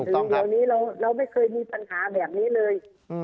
ถึงเดี๋ยวนี้เราไม่เคยมีปัญหาแบบนี้เลย